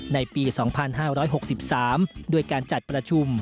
ในปี๒๕๖๓ด้วยการจัดประชุม